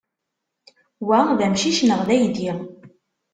Wa d amcic neɣ d aydi?